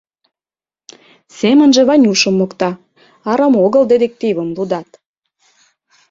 Семынже Ванюшым мокта: «Арам огыл детективым лудат».